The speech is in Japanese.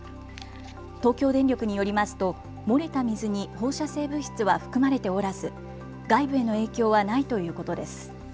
東京電力によりますと漏れた水に放射性物質は含まれておらず外部への影響はないということです。